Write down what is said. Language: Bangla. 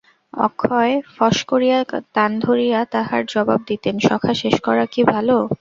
অক্ষয় ফস করিয়া তান ধরিয়া তাহার জবাব দিতেন– সখা শেষ করা কি ভালো?